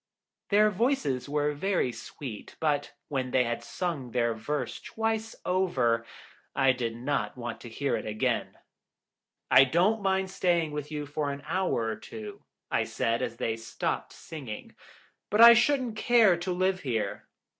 Their voices were very sweet, but when they had sung that verse twice over, I did not want to hear it again. "I don't mind staying with you for an hour or two," I said, as they stopped singing, "but I shouldn't care to live here.